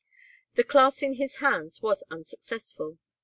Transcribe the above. The class in his hands was unsuccessful.